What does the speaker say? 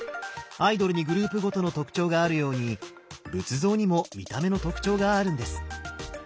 アイドルにグループごとの特徴があるように仏像にも見た目の特徴があるんです。